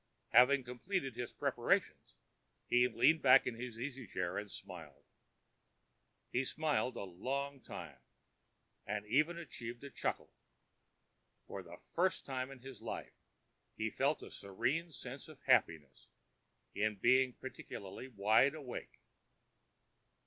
Having completed his preparations, he leaned back in his easy chair and smiled. He smiled a long time, and even achieved a chuckle. For the first time in his life, he felt a serene sense of happiness in being particularly wide awake.